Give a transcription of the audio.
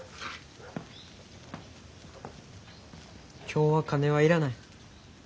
今日は金は要らない。